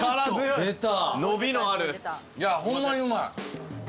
いやホンマにうまい。